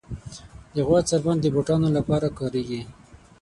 د غوا څرمن د بوټانو لپاره کارېږي.